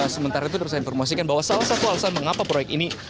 sementara itu dapat saya informasikan bahwa salah satu alasan mengapa proyek ini